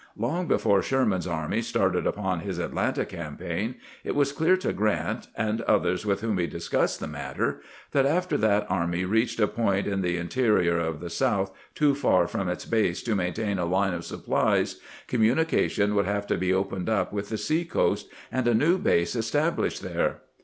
Long before Sherman's army started upon his Atlanta campaign it was clear to Grrant, and others with whom he discussed the matter, that after that army reached a point in the interior of the South too far from its base to maintain a line of supplies, communication would have to be opened up with the sea coast, and a new base established there.